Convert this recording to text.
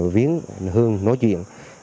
viến hương nói chuyện